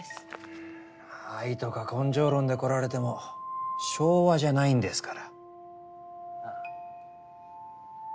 うん愛とか根性論で来られても昭和じゃないんですから。